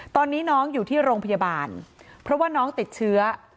ตอนนี้น้องอยู่ที่โรงพยาบาลเพราะว่าน้องติดเชื้อ